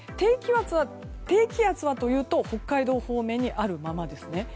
低気圧はというと北海道方面にあるままですね。